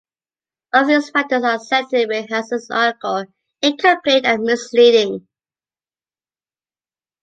All of these factors are said to make Hansen's article "incomplete and misleading".